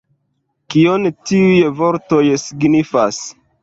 Kion tiuj vortoj signifas?